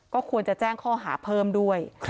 ก็ควรจะแจ้งข้อหาเพิ่มด้วย